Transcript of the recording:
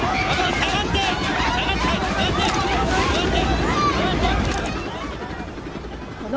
下がって！